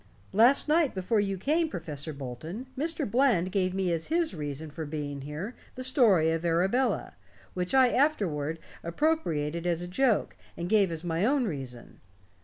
Last night, before you came, Professor Bolton, Mr. Bland gave me as his reason for being here the story of Arabella, which I afterward appropriated as a joke and gave as my own reason.